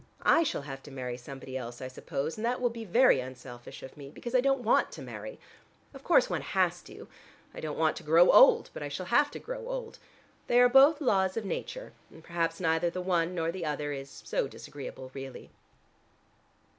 I shall have to marry somebody else, I suppose, and that will be very unselfish of me, because I don't want to marry. Of course one has to: I don't want to grow old, but I shall have to grow old. They are both laws of nature, and perhaps neither the one nor the other is so disagreeable really."